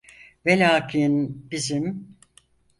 Velakin, bizim.